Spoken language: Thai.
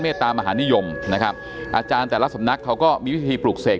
ตามหานิยมนะครับอาจารย์แต่ละสำนักเขาก็มีวิธีปลูกเสก